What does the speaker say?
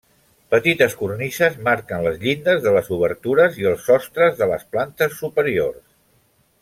Petites cornises marquen les llindes de les obertures i els sostres de les plantes superiors.